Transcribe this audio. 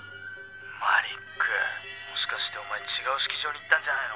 マリックもしかしておまえ違う式場に行ったんじゃないの？